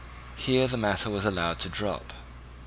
Here the matter was allowed to drop.